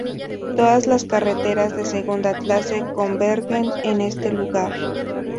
Todas las carreteras de segunda clase convergen en este lugar.